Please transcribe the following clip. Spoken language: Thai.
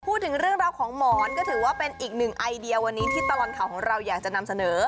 พูดถึงเรื่องราวของหมอนก็ถือว่าเป็นอีกหนึ่งไอเดียวันนี้ที่ตลอดข่าวของเราอยากจะนำเสนอ